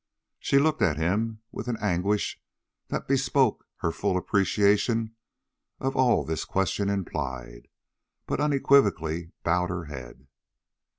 She looked at him with an anguish that bespoke her full appreciation of all this question implied, but unequivocally bowed her head.